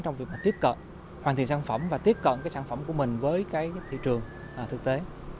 trong việc tiếp cận hoàn thiện sản phẩm và tiếp cận cái sản phẩm của mình với cái thị trường thực tế